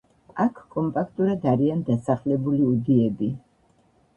აქ კომპაქტურად არიან დასახლებული უდიები.